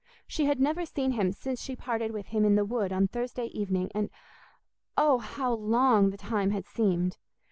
She had never seen him since she parted with him in the wood on Thursday evening, and oh, how long the time had seemed!